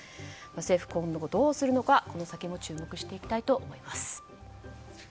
政府は今後どうするのかこの先も注目していきたいと思います。